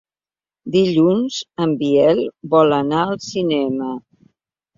Dilluns en Biel vol anar al cinema.